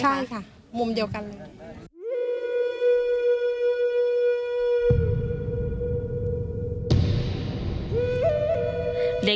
ใช่ค่ะมุมเดียวกันเลย